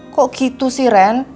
kok gitu sih ren